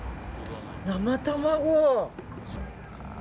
生卵。